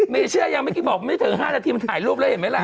มีเชื่อหรือยังไม่ถึง๕นาทีบอกมาถ่ายรูปแล้วเห็นไหมล่ะ